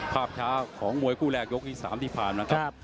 ภาพช้าของมวยคู่แรกยกที่๓ที่ผ่านมาครับ